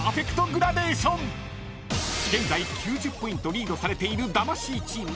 ［現在９０ポイントリードされている魂チーム］